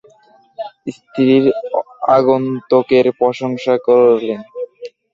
স্ত্রী আগন্তুকের প্রশংসা করলেন।